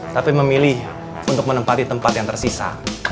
tapi memilih untuk menempati tempat yang tersisa